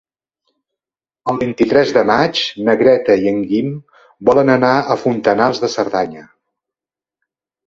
El vint-i-tres de maig na Greta i en Guim volen anar a Fontanals de Cerdanya.